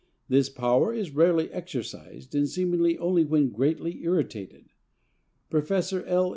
This power is rarely exercised and seemingly only when greatly irritated. Professor L.